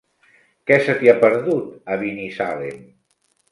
Què se t'hi ha perdut, a Binissalem?